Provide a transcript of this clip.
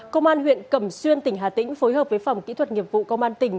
công an huyện cầm xuyên tỉnh hà tĩnh phối hợp với phòng kỹ thuật nhiệm vụ công an tỉnh